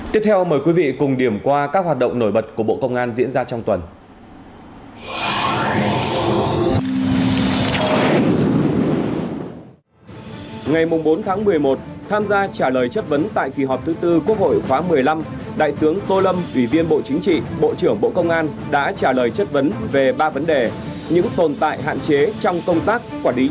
tiếp theo mời quý vị cùng điểm qua các hoạt động nổi bật của bộ công an diễn ra trong tuần